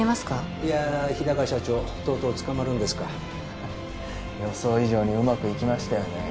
いや日高社長とうとう捕まるんですか予想以上にうまくいきましたよね